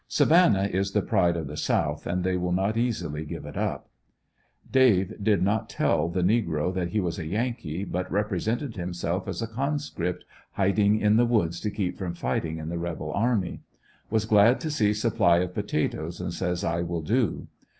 Savannah is the pride of the South and they will not easily give it up. Dave did not tell the ne gro that he was a yankee, but represented himself as a conscript hid ing in the woods to keep from fighting in the rebel army. Was glad to see supply of potatoes and says I will do.